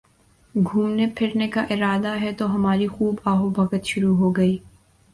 گھومنے پھرنے کا ارادہ ہے تو ہماری خوب آؤ بھگت شروع ہو گئی